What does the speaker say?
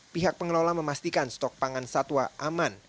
pihak pengelola memastikan stok pangan satwa aman